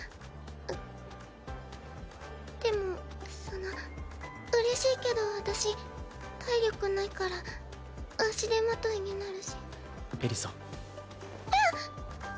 でもその嬉しいけど私体力ないから足手まといになるしエリサきゃっ！